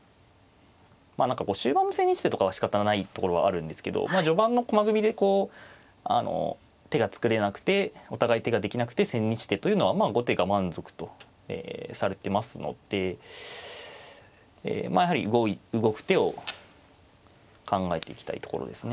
終盤の千日手とかはしかたがないところはあるんですけど序盤の駒組みで手が作れなくてお互い手ができなくて千日手というのはまあ後手が満足とされてますのでやはり動く手を考えていきたいところですね。